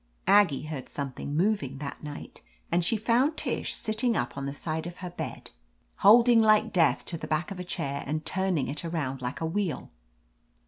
Aggie heard something moving that night, and she found Tish sitting up on the side of her bed, holding like death to the back of a chair and turning it around like a wheel.